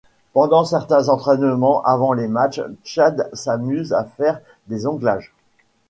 Pendant certains entraînement avant les matchs Chad s'amuse à faire des jonglages.